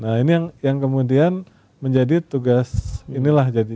nah ini yang kemudian menjadi tugas inilah